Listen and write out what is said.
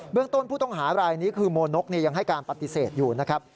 เรื่องต้นผู้ต้องหารายนี้คือโมนกยังให้การปฏิเสธอยู่นะครับ